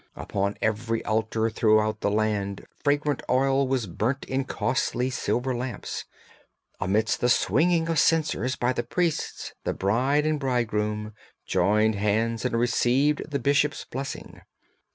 Upon every altar throughout the land fragrant oil was burnt in costly silver lamps. Amidst the swinging of censers by the priests the bride and bridegroom joined hands and received the bishop's blessing.